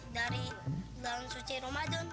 dari daun suci ramadan